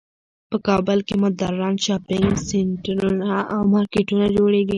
په کابل کې مدرن شاپینګ سینټرونه او مارکیټونه جوړیږی